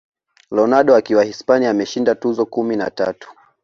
Ronaldo akiwa Hispania ameshinda tuzo kumi na tatu